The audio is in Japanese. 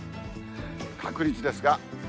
確率ですが。